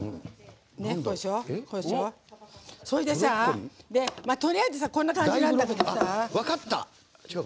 そいでさ、とりあえずこんな感じなんだけどさ。